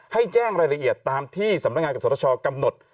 ให้แจ้งรายละเอียดตามที่สำนักงานกับสตชกำหนด